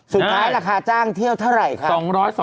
สุดท้ายราคาจ้างเที่ยวเท่าไหร่ครับ